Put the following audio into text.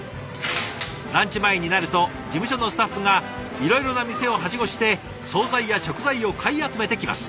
ランチ前になると事務所のスタッフがいろいろな店をはしごして総菜や食材を買い集めてきます。